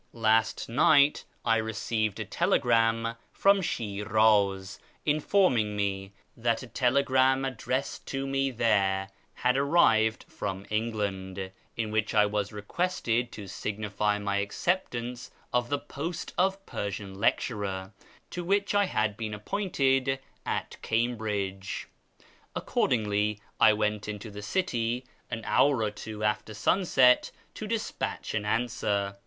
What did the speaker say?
— Last night I received a telegram from Shi'raz informing me that a telegram addressed to me there had arrived from England, in which I was requested to signify my acceptance of the post of Persian Lecturer, to which I had been appointed at Cambridge. Accordingly, I went into the city an hour or two after sunrise to despatch an answer.